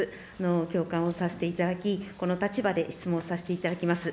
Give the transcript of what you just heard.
共感をさせていただき、この立場で質問させていただきます。